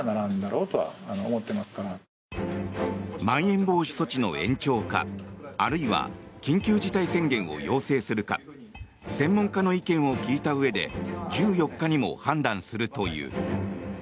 まん延防止措置の延長かあるいは緊急事態宣言を要請するか専門家の意見を聞いたうえで１４日にも判断するという。